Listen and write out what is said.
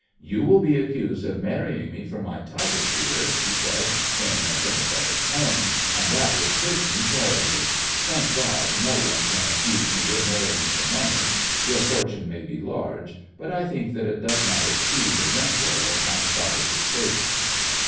"You will be accused of marrying me for my title, dear," he said in a sympathetic tone, "and that would hurt me terribly. Thank God, no one can accuse me of marrying for money. Your fortune may be large, but I think that it does not exceed the rent roll of my Scottish estates."